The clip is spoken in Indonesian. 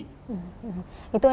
itu adalah lima topik